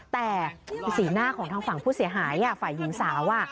แต่สีหน้าของทางฝั่งผู้เสียหายฝ่ายหญิงสาว